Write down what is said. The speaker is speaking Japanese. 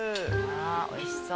おいしそう。